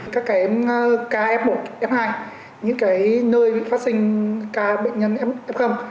các cái kf một f hai những cái nơi phát sinh ca bệnh nhân f